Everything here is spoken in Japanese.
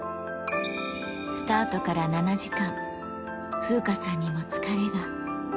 スタートから７時間、風花さんにも疲れが。